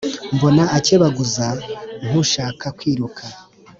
Mbona akebaguza, nk’ushaka kwiruka